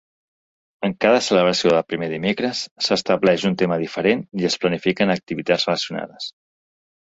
En cada celebració de Primer Dimecres s'estableix un tema diferent i es planifiquen activitats relacionades.